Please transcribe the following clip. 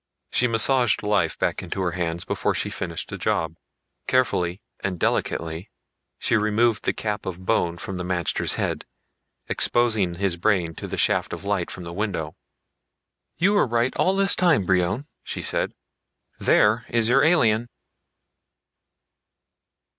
She massaged life back into her hands before she finished the job. Carefully and delicately she removed the cap of bone from the magter's head, exposing his brain to the shaft of light from the window. "You were right all the time, Brion," she said. "There is your alien."